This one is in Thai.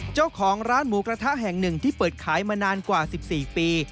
เจ้าของร้านหมูกระทะแห่งหนึ่งที่เปิดขายมานานกว่า๑๔ปี